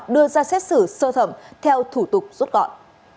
đưa ra xét xử sơ thẩm theo thủ tục rút gọn